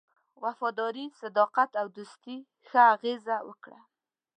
وفاداري، صداقت او دوستی ښه اغېزه وکړه.